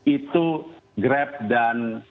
itu grab dan